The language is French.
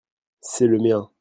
c'est le mien.